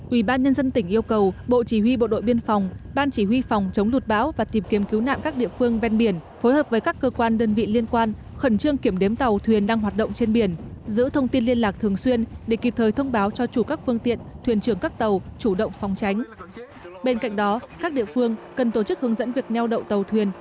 ủy ban nhân dân tỉnh yêu cầu bộ chí huy bộ đội biên phòng ban chí huy phòng chống lụt bão và tìm kiếm cứu nạn các địa phương ven biển phối hợp với các cơ quan đơn vị liên quan khẩn trương kiểm đếm tàu thuyền đang hoạt động trên biển giữ thông tin liên lạc thường xuyên để kịp thời thông báo cho chủ các phương tiện thuyền trưởng các tàu chủ động phòng tránh